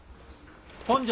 本庄！